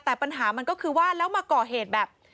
แต่ปัญหามันก็คือว่าแล้วมาก่อเหตุแบบ